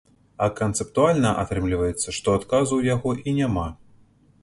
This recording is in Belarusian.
А канцэптуальна атрымліваецца, што адказу ў яго і няма.